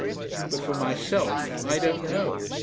But for myself, I don't know.